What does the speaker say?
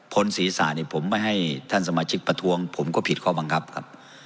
ศีรษะนี่ผมไม่ให้ท่านสมาชิกประท้วงผมก็ผิดข้อบังคับครับ